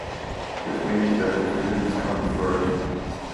This means that their students come first.